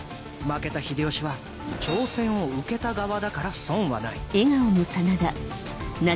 負けた秀吉は挑戦を受けた側だから損はない。